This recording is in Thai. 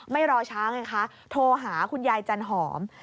ไม่รอช้าไงคะโทรหาคุณยายจันหอม